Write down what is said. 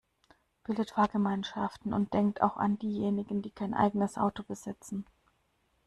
Bildet Fahrgemeinschaften und denkt auch an diejenigen, die kein eigenes Auto besitzen.